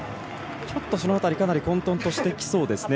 その辺り、かなり混とんとしてきそうですね。